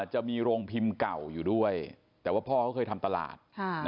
จะมีโรงพิมพ์เก่าอยู่ด้วยแต่ว่าพ่อเขาเคยทำตลาด